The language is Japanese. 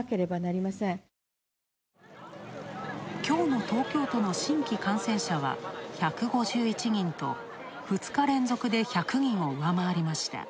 今日の東京都の新規感染者は１５１人と２日連続で１００人を上回りました。